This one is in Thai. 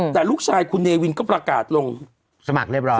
แต่ลูกชายคุณเนวินที่ชอบพูดก็ปรากฎลง